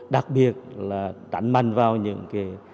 đặc biệt là đánh mạnh vào những cái